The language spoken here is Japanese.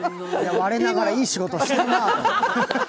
我ながら、いい仕事したなぁと。